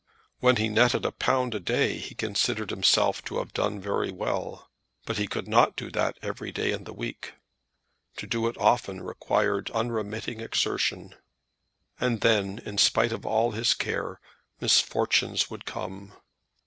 When he netted a pound a day he considered himself to have done very well; but he could not do that every day in the week. To do it often required unremitting exertion. And then, in spite of all his care, misfortunes would come.